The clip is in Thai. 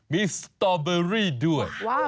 มีสตอเบอรี่ด้วย